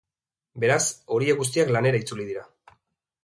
Beraz, horiek guztiak lanera itzuli dira.